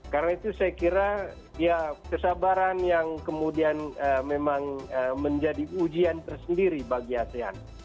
karena itu saya kira ya kesabaran yang kemudian memang menjadi ujian tersendiri bagi asean